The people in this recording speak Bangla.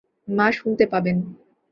মা শুনতে পাবেন।